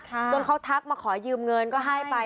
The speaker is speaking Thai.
จนเขาทักมาขอยืมเงินก็ให้ไป